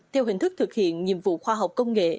theo hình thức thực hiện nhiệm vụ khoa học công nghệ